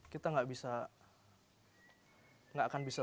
kita tidak bisa